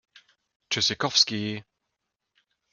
Tschüssikowski!